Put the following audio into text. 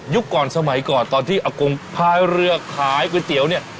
ก่อนสมัยก่อนตอนที่อากงพายเรือขายก๋วยเตี๋ยวเนี่ย